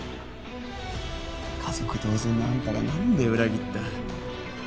家族同然のあんたがなんで裏切った？